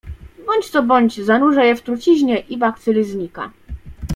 "Bądź co bądź zanurza je w truciźnie i bakcyl znika."